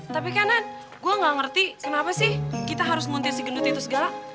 tapi kanan gue gak ngerti kenapa sih kita harus muntisi gendut itu segala